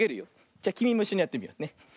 じゃきみもいっしょにやってみようね。